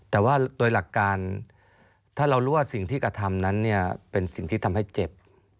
แต่ว่าโดยหลักการถ้าเรารู้ว่าสิ่งที่กระทำนั้นเนี่ยเป็นสิ่งที่ทำให้เจ็บ